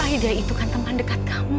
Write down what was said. ahil itu kan teman dekat kamu